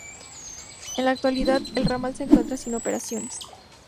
En la actualidad, el ramal se encuentra sin operaciones.